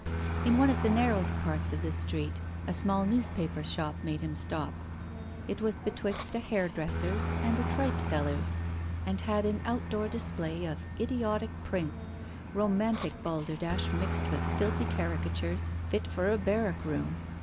In one of the narrowest parts of the street a small newspaper shop made him stop. It was betwixt a hairdresser's and a tripeseller's, and had an outdoor display of idiotic prints, romantic balderdash mixed with filthy caricatures fit for a barrack room.